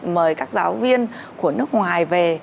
mời các giáo viên của nước ngoài về